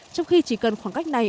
trong khi chỉ cần khoảng cách này